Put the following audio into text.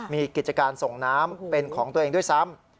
มีกิจการส่งน้ำเป็นของตัวเองด้วยซ้ำ